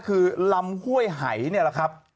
คือลำห้วยหายนี่แหละครับ